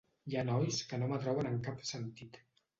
Hi ha nois que no m'atrauen en cap sentit.